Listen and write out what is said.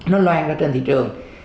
nó loan ra trên thị trường